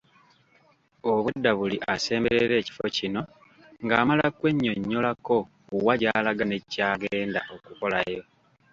Obwedda buli asemberera ekifo kino ng'amala kwennyonnyolako wa gy'alaga nekyagenda okukolayo.